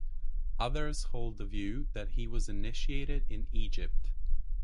Others hold the view that he was initiated in Egypt.